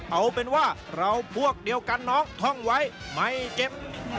เอาเป็นว่าเราพวกเดียวกันน้องท่องไว้ไม่เก็บ